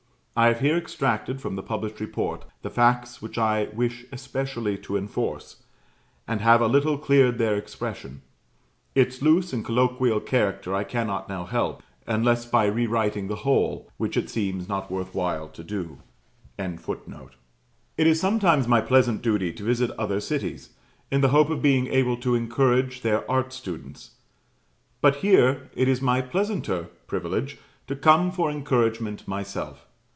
I have here extracted, from the published report, the facts which I wish especially to enforce; and have a little cleared their expression; its loose and colloquial character I cannot now help, unless by re writing the whole, which it seems not worth while to do.] It is sometimes my pleasant duty to visit other cities, in the hope of being able to encourage their art students; but here it is my pleasanter privilege to come for encouragement myself.